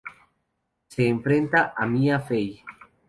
Se enfrenta a Mia Fey.